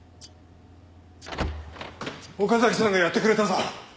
岡崎さんがやってくれたぞ！